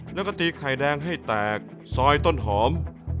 แล้วก็ตีไข่แดงให้แตกซอยต้นหอม